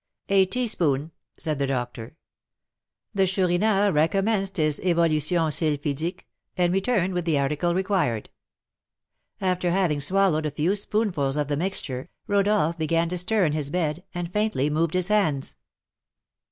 "A teaspoon " said the doctor. The Chourineur recommenced his évolutions sylphidiques, and returned with the article required. After having swallowed a few spoonfuls of the mixture, Rodolph began to stir in his bed, and faintly moved his hands.